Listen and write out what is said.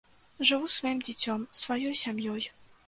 Жыву сваім дзіцём, сваёй сям'ёй.